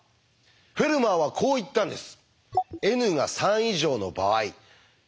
フェルマーはこう言ったんです。